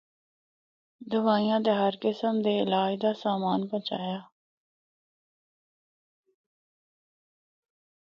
دوائیاں تے ہر قسم دے علاج دا سامان پہنچیا۔